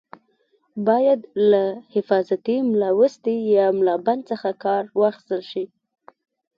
باید له حفاظتي ملاوستي یا ملابند څخه کار واخیستل شي.